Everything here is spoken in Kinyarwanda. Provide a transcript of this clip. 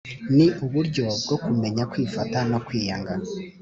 ni uburyo bwo kumenya kwifata no kwiyanga.